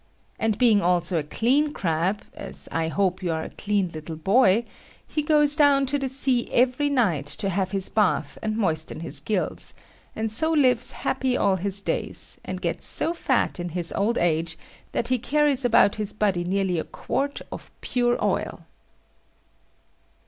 And being also a clean crab, as I hope you are a clean little boy, he goes down to the sea every night to have his bath and moisten his gills, and so lives happy all his days, and gets so fat in his old age that he carries about his body nearly a quart of pure oil.